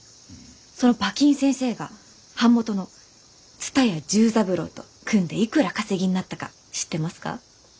その馬琴先生が版元の蔦屋重三郎と組んでいくらお稼ぎになったか知ってますか？